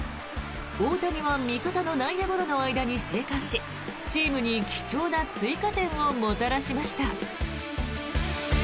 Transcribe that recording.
大谷は味方の内野ゴロの間に生還しチームに貴重な追加点をもたらしました。